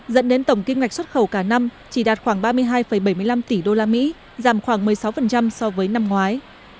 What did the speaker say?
dẫn đến tổng kim ngạch xuất khẩu cả năm chỉ đạt khoảng ba mươi hai bảy mươi năm tỷ usd giảm khoảng một mươi sáu so với năm ngoái